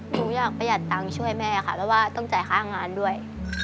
หนูอยากประหยัดตังค์ช่วยแม่ค่ะเพราะว่าต้องจ่ายค่างานด้วย